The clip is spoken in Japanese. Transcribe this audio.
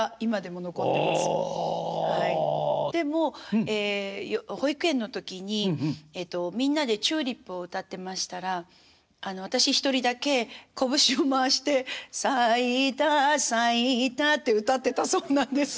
でもう保育園の時にみんなで「チューリップ」を歌ってましたら私一人だけこぶしを回して「さいたさいた」って歌ってたそうなんです。